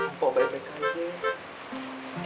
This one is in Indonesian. mpok baik baik aja